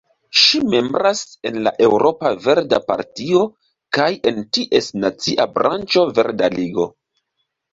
Ŝi membras en la Eŭropa Verda Partio kaj en ties nacia branĉo Verda Ligo.